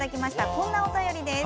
こんなお便りです。